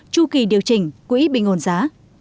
chu kỳ điều chỉnh quỹ bình ồn giá